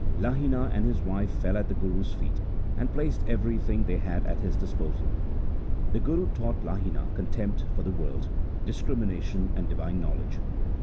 Lahina and his wife fell at the Guru's feet, and placed everything they had at his disposal. The Guru taught Lahina contempt for the world, discrimination, and divine knowledge.